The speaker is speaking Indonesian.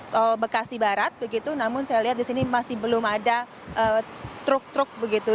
tol bekasi barat begitu namun saya lihat di sini masih belum ada truk truk begitu